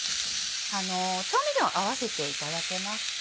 調味料合わせていただけますか？